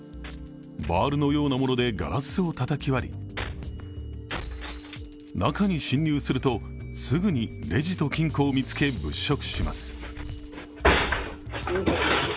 バールのようなものでガラスをたたき割り、中に侵入するとすぐにレジと金庫を見つけ、物色します。